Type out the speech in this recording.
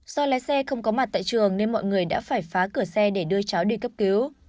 do lái xe không có mặt tại trường nên mọi người đã phải phá cửa xe để đưa cháu đi cấp cứu